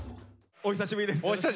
お久しぶりです。